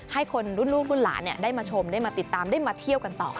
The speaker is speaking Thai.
ให้คนรุ่นลูกรุ่นหลานได้มาชมได้มาติดตามได้มาเที่ยวกันต่อค่ะ